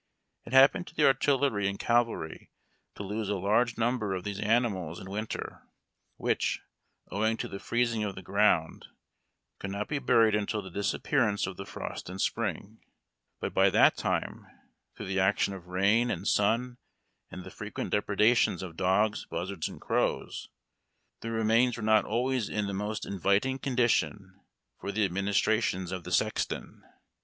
It happened to the artillery and cavalry to lose a large number of these animals in winter, which, owing to the freezing of the ground, could not be buried until the disappearance of the frost in spring ; but by that time, through the action of rain and sun and the frequent depredations of dogs, buzzards, and crows, the remains were not always in the most inviting condition for the administrations of the sexton.